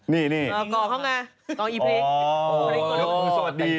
นี่คุณคลีคกอเพราะเขาก่อนโอ้สวัสดี